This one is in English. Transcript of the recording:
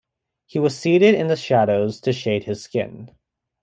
He was seated in the shadows to shade his skin.